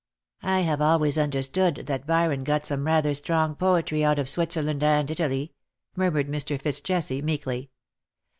''" I have always understood that Byron got some rather strong poetry out of Switzerland and Italy," murmured Mr. FitzJesse, meekly.